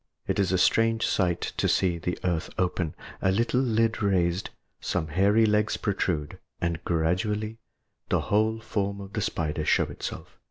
It is a strange sight to see the earth open, a little lid raised, some hairy legs protrude, and gradually, the whole form of the spider show itself.